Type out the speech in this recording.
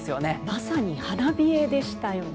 まさに花冷えでしたね。